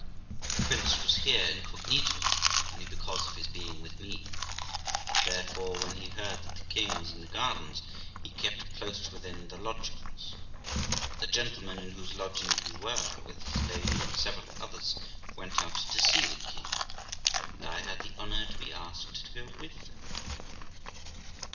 The prince was here incognito, only because of his being with me, and therefore, when he heard that the king was in the gardens, he kept close within the lodgings; but the gentleman in whose lodgings we were, with his lady and several others, went out to see the king, and I had the honour to be asked to go with them.